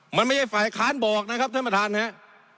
มันไม่ใช่ฝ่ายค้านบอกนะครับท่านประธานครับ